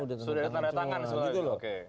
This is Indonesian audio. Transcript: sudah tanda tangan gitu loh